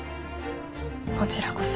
こちらこそ。